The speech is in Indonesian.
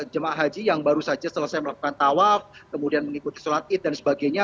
jemaah haji yang baru saja selesai melakukan tawaf kemudian mengikuti sholat id dan sebagainya